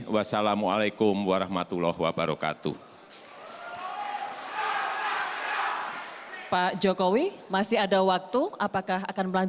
wassalamu'alaikum warahmatullahi wabarakatuh